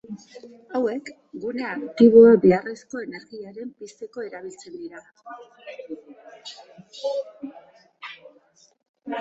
Hauek, gune aktiboa beharrezko energiarekin pizteko erabiltzen dira.